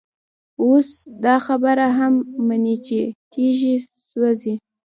اوس دا خبره هم مني چي تيږي سوزي،